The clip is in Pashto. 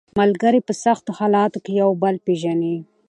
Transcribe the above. ملګري په سختو حالاتو کې یو بل پېژني